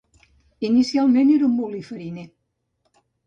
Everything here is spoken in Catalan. Inicialment era un molí fariner.